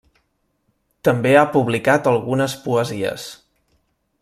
També ha publicat algunes poesies.